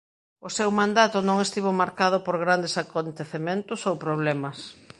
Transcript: O seu mandato non estivo marcado por grandes acontecementos ou problemas.